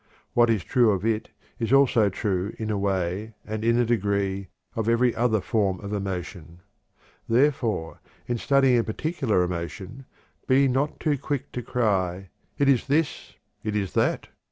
What is true of it is also true, in a way and in a degree, of every other form of emotion. Therefore in studying a particular emotion, be not too quick to cry, "It is this; it is that!"